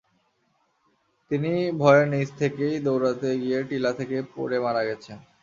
তিনি ভয়ে নিজ থেকেই দৌড়াতে গিয়ে টিলা থেকে পড়ে মারা গেছেন।